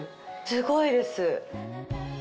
すごいです。